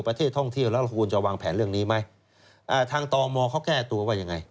ประเทศท่องเที่ยวแล้วเราควรจะวางแผนเรื่องนี้ไหมอ่าทางตมเขาแก้ตัวว่ายังไง